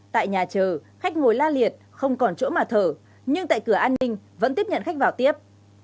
tại nhà chờ khách ngồi la liệt không còn chỗ mà thở nhưng tại cửa an ninh vẫn tiếp nhận khách vào tiếp